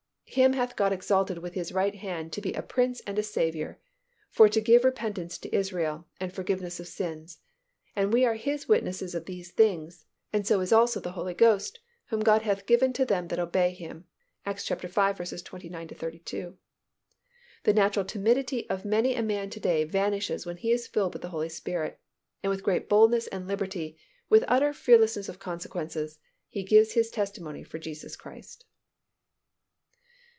Him hath God exalted with His right hand to be a Prince and a Saviour, for to give repentance to Israel, and forgiveness of sins. And we are His witnesses of these things; and so is also the Holy Ghost, whom God hath given to them that obey Him" (Acts v. 29 32). The natural timidity of many a man to day vanishes when he is filled with the Holy Spirit, and with great boldness and liberty, with utter fearlessness of consequences, he gives his testimony for Jesus Christ.